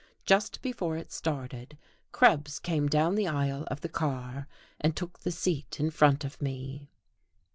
Just before it started Krebs came down the aisle of the car and took the seat in front of me.